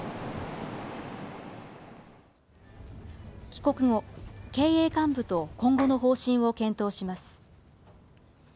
帰国後、経営幹部と今後の方針を検討します。